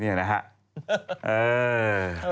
นี่นะฮะได้